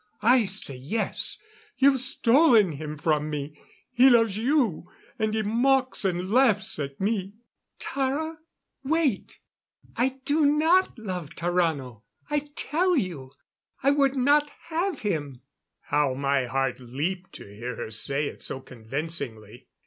"I say yes. You've stolen him from me. He loves you and he mocks and laughs at me " "Tara, wait. I do not love Tarrano, I tell you. I would not have him " How my heart leaped to hear her say it so convincingly.